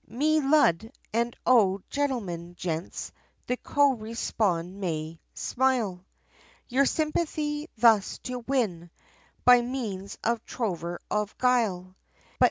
Me Lud, and O gentlemen, gents, the co respond' may smile, Your sympathy thus to win, by means of trover of guile, But no!